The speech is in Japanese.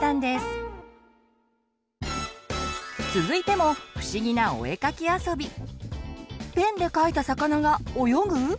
続いても不思議なお絵描きあそび。